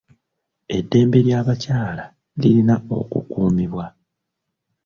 Eddembe ly'abakyala lirina okukuumibwa.